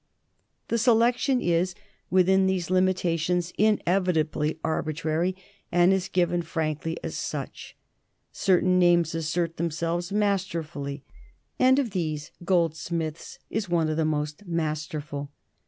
The selection is, within these limitations, inevitably arbitrary, and is given frankly as such. Certain names assert themselves masterfully, and of these Goldsmith's is one of the most masterful.